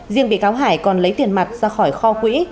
riêng bị cáo hải còn lấy tiền mặt ra khỏi kho quỹ